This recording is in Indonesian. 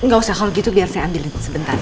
gak usah kalau gitu biar saya ambilin sebentar ya